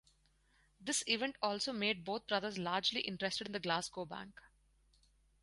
This event also made both brothers largely interested in the Glasgow Bank.